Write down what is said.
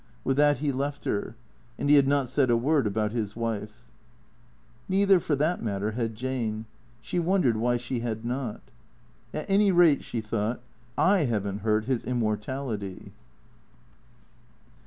With that he left her. And he had not said a word about his wife. Neither for that matter had Jane. She wondered why she had not. " At any rate/' she thought, '" I have n't hurt his immortality."